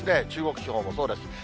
中国地方もそうです。